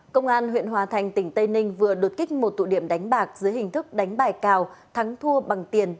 công an huyện hòa thành tỉnh tây ninh vừa đột kích một tụ điểm đánh bạc dưới hình thức đánh bài cào thắng thua bằng tiền